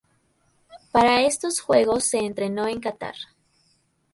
Para estos juegos se entrenó en Catar.